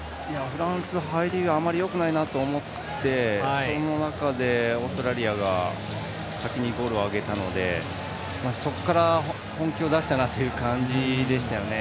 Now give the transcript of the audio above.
フランス、入りがあまりよくないなと思ってその中でオーストラリアが先にゴールを挙げたのでそこから本気を出したなという感じでしたね。